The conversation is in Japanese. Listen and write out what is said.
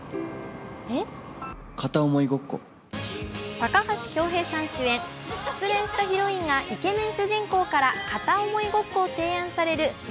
高橋恭平さん主演失恋したヒロインがイケメン主人公から片思いごっこを提案される胸